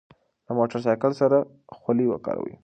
له موټر سایکل سره خولۍ وکاروئ.